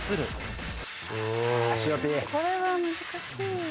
これは難しい。